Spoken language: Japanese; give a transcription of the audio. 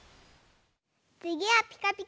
つぎは「ピカピカブ！」だよ！